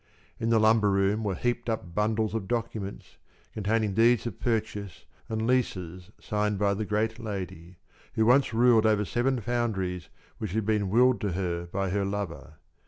In the lumber room were heaped up bundles of documents containing deeds of purchase and leases signed by the great lady, who once ruled over seven foundries which had been willed to her by her lover.